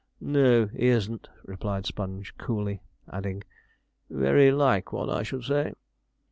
'No, he isn't,' replied Sponge coolly, adding, 'very like one, I should say.'